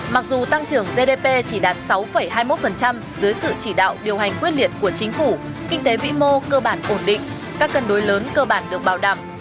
mặc dù tăng trưởng gdp chỉ đạt sáu hai mươi một dưới sự chỉ đạo điều hành quyết liệt của chính phủ kinh tế vĩ mô cơ bản ổn định các cân đối lớn cơ bản được bảo đảm